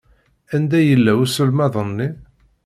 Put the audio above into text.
Anda yella uselmad-nni?